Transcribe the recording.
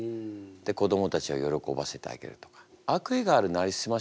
で子どもたちを喜ばせてあげるとか。